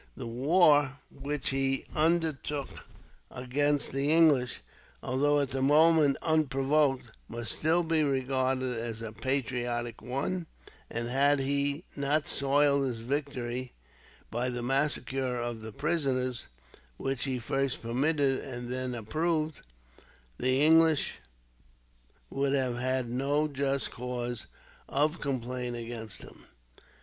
The war which he undertook against the English, although at the moment unprovoked, must still be regarded as a patriotic one; and, had he not soiled his victory by the massacre of the prisoners, which he first permitted and then approved, the English would have had no just cause of complaint against him.